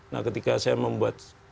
nah ketika saya membuat